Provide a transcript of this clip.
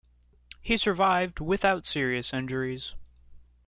He survived without serious injuries.